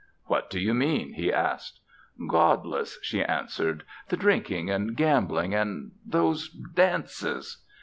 "What do you mean?" he asked. "Godless," she answered. "The drinking and gambling and those dances."